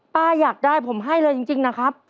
อยากได้ผมให้เลยจริงนะครับ